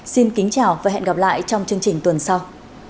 xin kính chào và hẹn gặp lại trong chương trình tuần sau